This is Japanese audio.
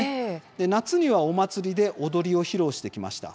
夏には、お祭りで踊りを披露してきました。